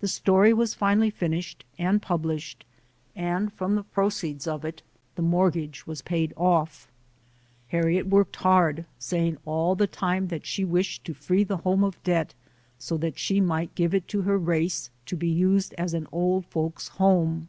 The story was finally finished and published, and from the proceeds of it the mortgage was paid off. Harriet worked hard, saying all the time that she wished to free the home of debt so that she might give it to her race to be used as an Old Folks' Home.